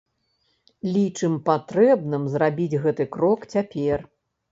Лічым патрэбным зрабіць гэты крок цяпер.